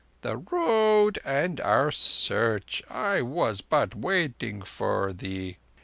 "The Road and our Search. I was but waiting for thee.